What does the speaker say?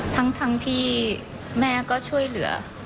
ทั้งที่แม่ก็ช่วยเหลือ